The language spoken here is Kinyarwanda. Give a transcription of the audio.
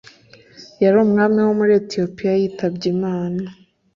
yari umwami wo muri Etiyopiya yitabye Imana